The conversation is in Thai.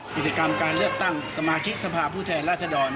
กิจกรรมการเลือกตั้งสมาชิกสภาพผู้แทนราชดร